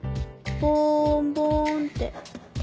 ボーンボーンって